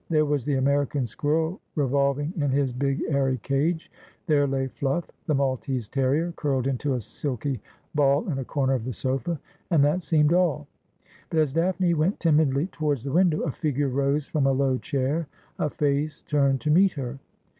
There was the American squirrel revolving in his big airy cage ; there lay Flulf, the Maltese terrier, curled into a silky ball in a corner of the sofa ; and that seemed all. But as Daphne went timidlv towards the window a figure rose from a low chair, a face turned to meet her.